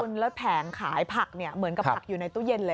อุณหภูมิแล้วแผงขายผักเหมือนกับผักอยู่ในตู้เย็นเลย